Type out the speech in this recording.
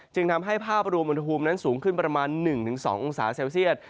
จึงทำให้ภาพรวมอุณหภูมินั้นสูงขึ้นประมาณ๑๒องศาเซลเซียต